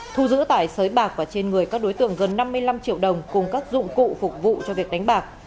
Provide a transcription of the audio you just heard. thu giữ tại sới bạc và trên người các đối tượng gần năm mươi năm triệu đồng cùng các dụng cụ phục vụ cho việc đánh bạc